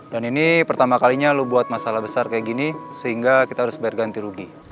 dan ini pertama kalinya lo buat masalah besar kayak gini sehingga kita harus bayar ganti rugi